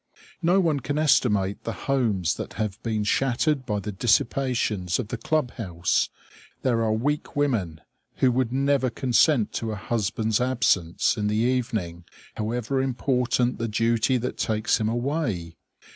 No one can estimate the homes that have been shattered by the dissipations of the club house. There are weak women who would never consent to a husband's absence in the evening, however important the duty that takes him away.